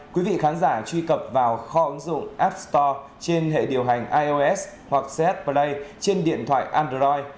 quý vị khán giả truy cập vào kho ứng dụng app store trên hệ điều hành ios hoặc cs play trên điện thoại android